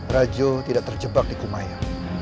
rajo tidak terjebak di kumaya